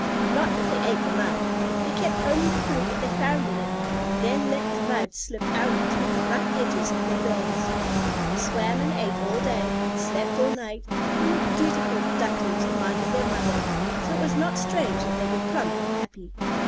Not that they ate the mud. They kept only the food that they found in it, and then let the mud slip out between the rough edges of their bills. They swam and ate all day, and slept all night, and were dutiful Ducklings who minded their mother, so it was not strange that they were plump and happy.